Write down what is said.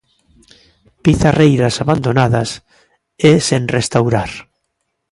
Pizarreiras abandonadas e sen restaurar.